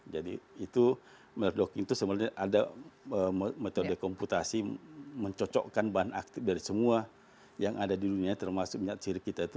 jadi itu molecular docking itu sebenarnya ada metode komputasi mencocokkan bahan aktif dari semua yang ada di dunia termasuk minyak siri kita itu